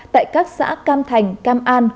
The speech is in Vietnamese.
tại các xã cam thành cam an